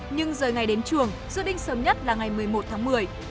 nhưng rời ngày đến trường dự định sớm nhất là ngày một mươi một tháng một mươi